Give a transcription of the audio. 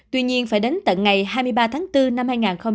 tuy nhiên phải đến tận ngày hai mươi ba tháng bốn năm hai nghìn hai mươi